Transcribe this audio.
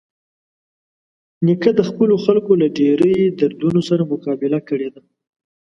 نیکه د خپلو خلکو له ډېرۍ دردونو سره مقابله کړې ده.